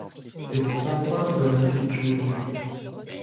C’est pourtant simple, mon pitchoun !